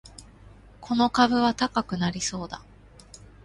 この株は高くなりそうだ